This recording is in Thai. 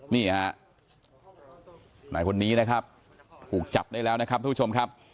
นี่ฮะนายคนนี้นะครับถูกจับได้แล้วนะครับทุกผู้ชมครับ